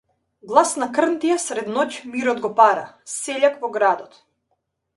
Гласна крнтија сред ноќ мирот го пара -сељак во градот.